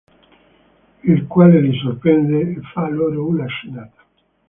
Il quale li sorprende e fa' loro una scenata.